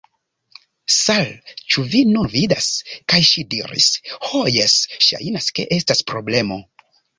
"Sal'! Ĉu vi nun vidas?" kaj ŝi diris: "Ho, jes. Ŝajnas ke estas problemo."